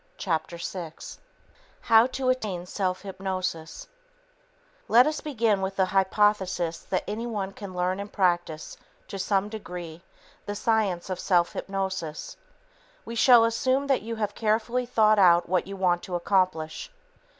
Chapter 6 How to Attain Self Hypnosis Let us begin with the hypothesis that anyone can learn and practice, to some degree, the science of self hypnosis. We shall assume that you have carefully thought out what you want to accomplish.